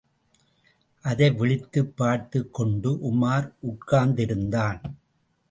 அதை விழித்துப் பார்த்துக் கொண்டு உமார் உட்கார்ந்திருந்தான்.